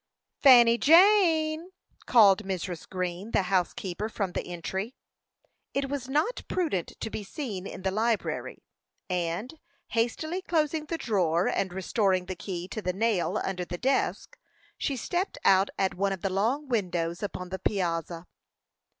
"Fanny Jane!" called Mrs. Green, the housekeeper, from the entry. It was not prudent to be seen in the library, and, hastily closing the drawer, and restoring the key to the nail under the desk, she stepped out at one of the long windows upon the piazza.